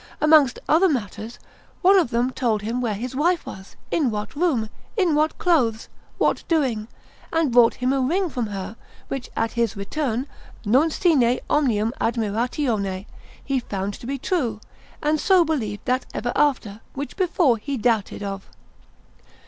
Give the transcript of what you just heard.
Amongst other matters, one of them told him where his wife was, in what room, in what clothes, what doing, and brought him a ring from her, which at his return, non sine omnium admiratione, he found to be true; and so believed that ever after, which before he doubted of.